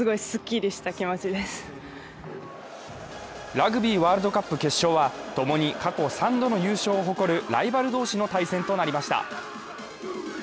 ラグビーワールドカップ決勝は、共に過去３度の優勝を誇るライバル同士の対戦となりました。